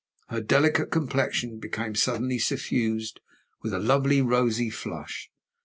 Her delicate complexion became suddenly suffused with a lovely rosy flush.